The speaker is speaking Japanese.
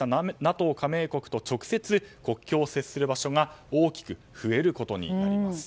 加盟国と直接、国境を接する場所が大きく増えることになります。